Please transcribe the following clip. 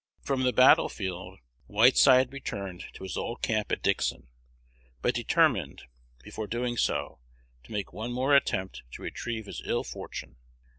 From the battle field Whiteside returned to his old camp at Dixon, but determined, before doing so, to make one more attempt to retrieve his ill fortune.